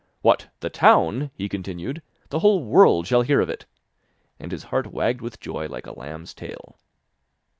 'What, the town!' he continued, 'the whole world shall hear of it!' and his heart wagged with joy like a lamb's tail.